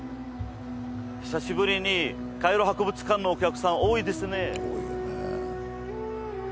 久しぶりにカイロ博物館のお客さん多いですね。